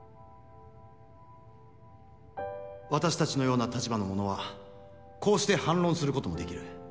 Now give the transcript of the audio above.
私たちのような立場の者はこうして反論することもできる。